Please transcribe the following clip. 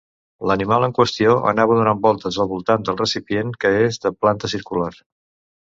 L'animal en qüestió anava donant voltes al voltant del recipient que és de planta circular.